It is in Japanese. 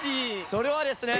それはですね。